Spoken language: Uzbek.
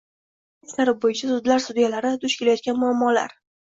Jinoyat ishlari bo‘yicha sudlar sudyalari duch kelayotgan muammolarng